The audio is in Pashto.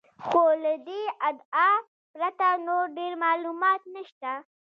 خو له دې ادعا پرته نور ډېر معلومات نشته.